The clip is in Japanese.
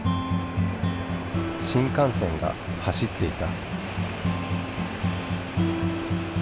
新かん線が走っていた。